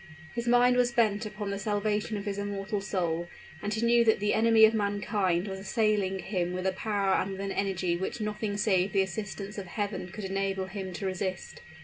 His mind was bent upon the salvation of his immortal soul; and he knew that the enemy of mankind was assailing him with a power and with an energy which nothing save the assistance of Heaven could enable him to resist.